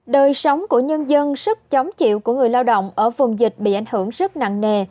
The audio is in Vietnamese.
đời sống của nhân dân sức chống chịu của người lao động ở vùng dịch bị ảnh hưởng rất nặng nề